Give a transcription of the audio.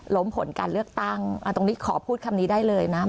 ผลการเลือกตั้งตรงนี้ขอพูดคำนี้ได้เลยนะ